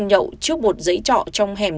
nhậu trước một giấy trọ trong hẻm